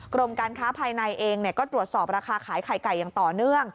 กรมการค้าภายในเองก็ตรวจสอบราคาขายไข่ไก่อย่างต่อเนื่อง